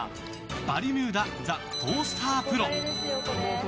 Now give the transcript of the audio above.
バルミューダザ・トースタープロ。